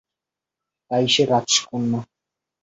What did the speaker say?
তাই সে রাজকন্যা।